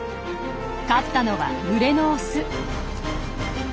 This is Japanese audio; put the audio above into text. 勝ったのは群れのオス。